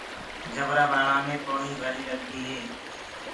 جبرآ ٻآݪآنٚ مي پونيٚ ڀليٚ لگديٚ هي۔